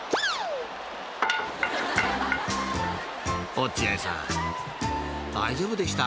［落合さん大丈夫でした？］